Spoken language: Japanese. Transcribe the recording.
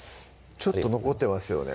ちょっと残ってますよね